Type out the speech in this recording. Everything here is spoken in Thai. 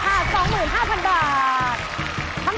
คำถามเหมือนเดิมค่ะทุกผู้ชม